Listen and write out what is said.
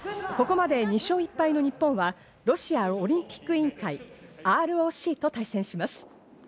ここまで２勝１敗の日本は、ロシアオリンピック委員会ＲＯＣと対戦します。